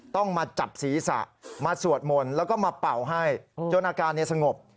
ต้องมาจับศีรษะมาสวดมนต์แล้วก็มาเป่าให้จนอาการสงบ